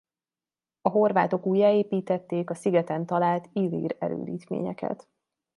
A horvátok újjáépítették a szigeten talált illír erődítményeket.